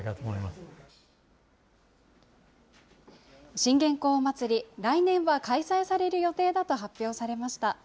信玄公祭り、来年は開催される予定だと発表されました。